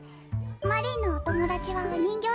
マリンのお友達はお人形さんなの。